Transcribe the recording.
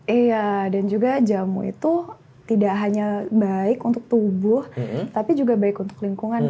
iya dan juga jamu itu tidak hanya baik untuk tubuh tapi juga baik untuk lingkungan